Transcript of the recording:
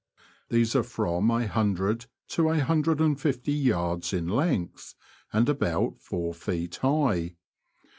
These are from a hun dred to a hundred and fifty yards in length, and about four feet high.